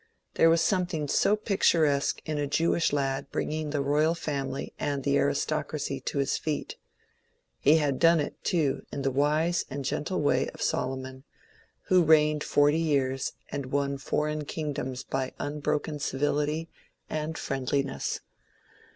There was something so picturesque in a Jew ish lad bringing the royal family and the aristocracy to his feet. He had done it, too, in the wise and gentle way of Solo mon, who reigned forty years and won foreign kingdoms by unbroken civility and friendliness.